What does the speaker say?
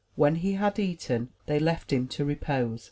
When he had eaten they left him to repose.